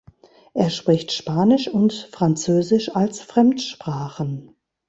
Er spricht Spanisch und Französisch als Fremdsprachen.